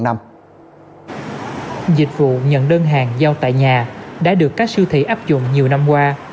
dịch vụ nhận đơn hàng giao tại nhà đã được các siêu thị áp dụng nhiều năm qua